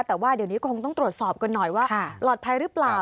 แต่ว่าเดี๋ยวนี้คงต้องตรวจสอบกันหน่อยว่าปลอดภัยหรือเปล่า